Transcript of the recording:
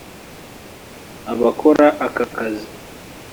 Abakora aka kazi